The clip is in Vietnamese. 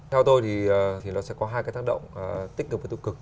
theo tôi thì nó sẽ có hai cái tác động tích cực và tiêu cực